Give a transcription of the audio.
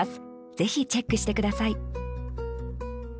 ぜひチェックして下さい